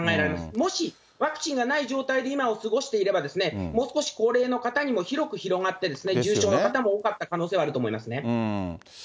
もしワクチンがない状態で今を過ごしていれば、もう少し高齢の方にも広く広がって、重症の方も多かった可能性はあると思いますね。